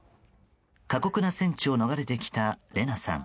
過酷な戦地を逃れてきたレナさん。